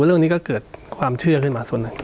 เรื่องนี้ก็เกิดความเชื่อขึ้นมาส่วนหนึ่ง